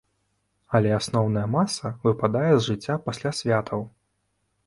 Але асноўная маса выпадае з жыцця пасля святаў.